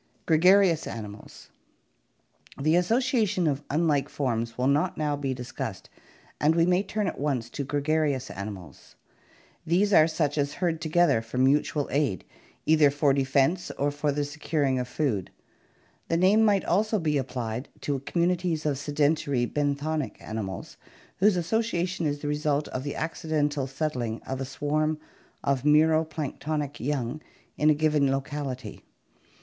gregarious animals The association of unlike forms will not now be discussed and we may turn at once to gregarious animals. These are such as herd together for mutual aid, either for defense or for the securing of food. The name might also be applied to communities of sedentary benthonic animals whose association is the result of the accidental settling of a swarm of mero planktonic young in a given locality.